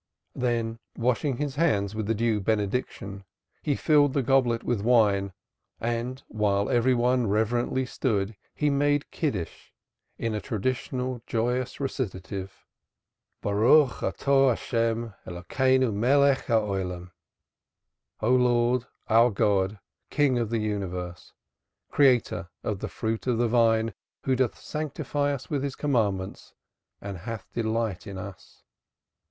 Then, washing his hands with the due benediction, he filled the goblet with wine, and while every one reverently stood he "made Kiddish," in a traditional joyous recitative "... blessed art thou, O Lord, our God! King of the Universe, Creator of the fruit of the vine, who doth sanctify us with His commandments and hath delight in us....